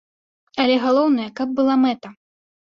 Але галоўнае, каб была мэта.